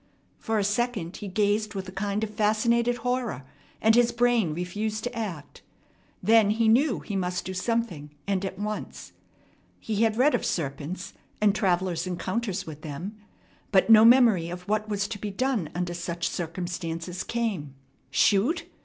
For a second he gazed with a kind of fascinated horror, and his brain refused to act. Then he knew he must do something, and at once. He had read of serpents and travellers' encounters with them, but no memory of what was to be done under such circumstances came. Shoot?